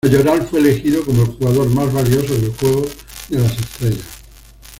Mayoral fue elegido como el jugador más valioso del juego de las estrellas.